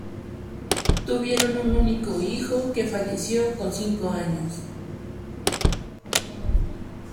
Tuvieron un único hijo que falleció con cinco años.